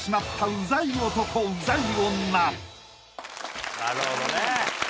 なるほどね。